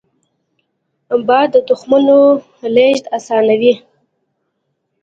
باد د تخمونو لیږد اسانوي